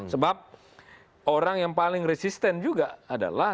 sebab orang yang paling resisten juga adalah